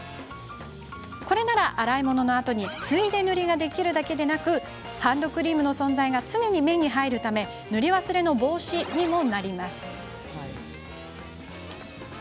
これなら洗い物のあとについで塗りができるだけでなくハンドクリームの存在が常に目に入るため塗り忘れ防止にもなります。